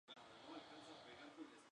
partieseis